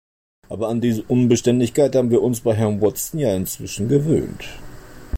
Aber an diese Unbeständigkeit haben wir uns bei Herrn Watson ja inzwischen gewöhnt.